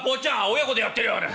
「親子でやってるよあれ」。